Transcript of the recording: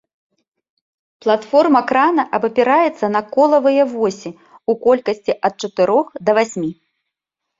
Платформа крана абапіраецца на колавыя восі ў колькасці ад чатырох да васьмі.